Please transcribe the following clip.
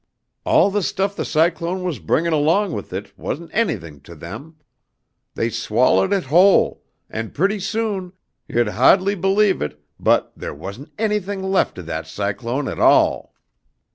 All the stuff the cyclone was bringin' along with it wa'n't anything to them. They swallowed it whole and pretty soon, you'd hahdly believe it, but theah wa'n't anything lef' of that cyclone at all.